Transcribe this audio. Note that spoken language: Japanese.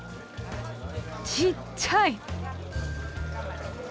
ちっちゃい！